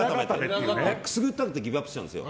くすぐったくてギブアップしちゃうんです。